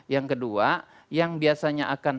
yang kedua yang biasanya akan